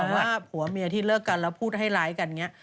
ว่าผัวเมียที่เลิกกันแล้วพูดให้ร้ายกันอย่างนี้